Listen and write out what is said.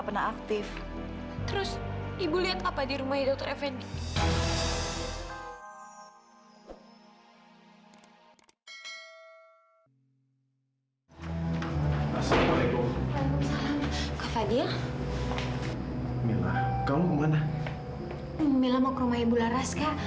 mila mau ke rumahnya bularas kak